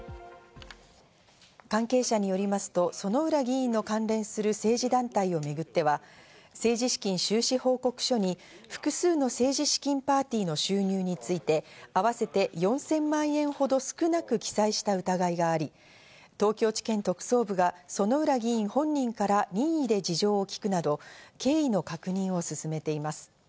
関係者によりますと、薗浦議員の関連する政治団体をめぐっては、政治資金収支報告書に複数の政治資金パーティーの収入について、合わせて４０００万円ほど少なく記載した疑いがあり東京地検特捜部が薗浦議員本人から任意で事情を聴くなど経緯の確認を進めています。